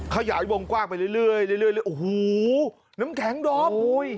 ขยายวงกว้างไปเรื่อยโอ้โหน้ำแข็งดอม